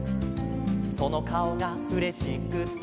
「そのかおがうれしくて」